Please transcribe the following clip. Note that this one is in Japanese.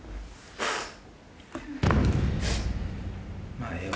まあええわ。